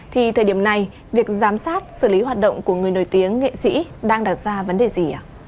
thì thời điểm này việc giám sát xử lý hoạt động của người nổi tiếng nghệ sĩ đang đặt ra vấn đề gì ạ